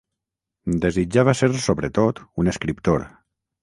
Desitjava ser sobretot un escriptor.